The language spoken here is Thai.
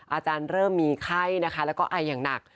อาจารย์เริ่มมีไข้และไออย่างหนัก